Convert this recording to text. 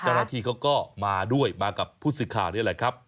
เจ้าหน้าที่เขาก็มาด้วยมากับผู้สื่อข่าวนี่แหละครับ